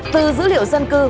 từ dữ liệu dân cư